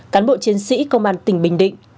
cán bộ chiến sĩ công an tỉnh bình định